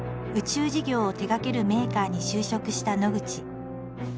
宇宙事業を手がけるメーカーに就職した野口。